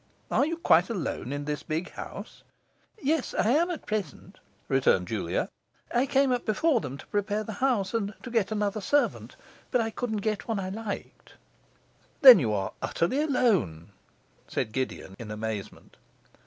Are you quite alone in this big house?' 'Yes, I am at present,' returned Julia. 'I came up before them to prepare the house, and get another servant. But I couldn't get one I liked.' 'Then you are utterly alone,' said Gideon in amazement.